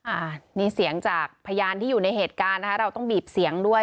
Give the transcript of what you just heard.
อ่านี่เสียงจากพยานที่อยู่ในเหตุการณ์นะคะเราต้องบีบเสียงด้วย